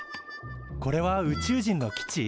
これは宇宙人の基地？